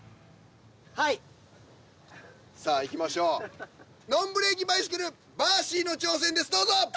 はいさあいきましょうＮＯＮブレーキバイシクルバーシーの挑戦ですどうぞ！